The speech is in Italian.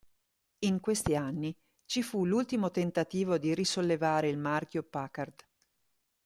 In questi anni ci fu l'ultimo tentativo di risollevare il marchio Packard.